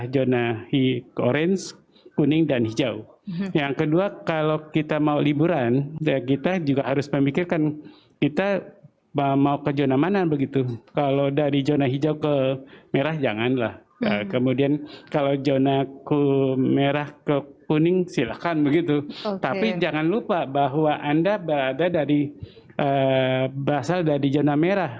jangan lupa bahwa anda berada dari zona merah